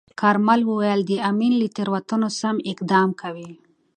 کارمل وویل، د امین له تیروتنو سم اقدام کوي.